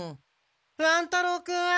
乱太郎君！